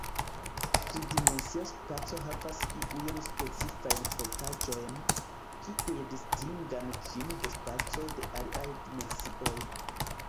Tri-dimensia spaco havas iujn specifajn propraĵojn, kiuj distingan ĝin de spacoj de aliaj dimensioj.